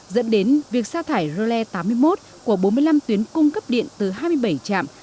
dẫn đến việc sa thải rô le tám mươi một của bốn mươi năm tuyến cung cấp điện từ hai mươi bảy trạm